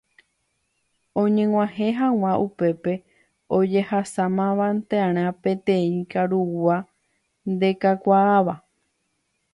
Oñeg̃uahẽ hag̃ua upépe ojehasamanteva'erã peteĩ karugua ndekakuaáva.